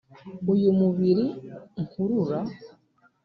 uyu mubiri nkurura